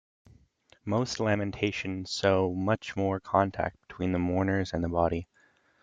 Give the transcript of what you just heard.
Most "Lamentations" show much more contact between the mourners and the body.